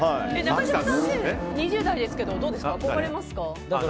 中島さん、２０代ですけどどうですか？